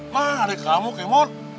nah adik kamu kemot